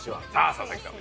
佐々木さん